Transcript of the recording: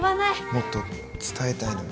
もっと伝えたいのに。